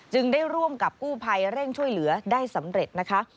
ได้ร่วมกับกู้ภัยเร่งช่วยเหลือได้สำเร็จนะคะ